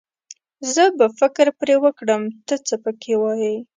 زه به فکر پرې وکړم، ته څه پکې وايې.